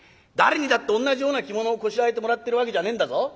誰にだって同じような着物をこしらえてもらってるわけじゃねえんだぞ。